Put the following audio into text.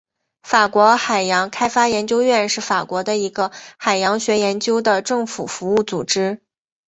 法国海洋开发研究院是法国的一个海洋学研究的政府服务组织。